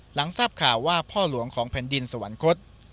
หลังทราบข่าวว่าพ่อหลวงของแผ่นดินสวรรคต